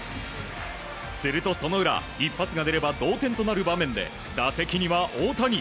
すると、その裏一発が出れば同点となる場面で打席には大谷。